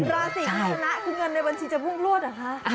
ราศีใครชนะคือเงินในบัญชีจะพุ่งพลวดเหรอคะ